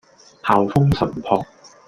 校風純樸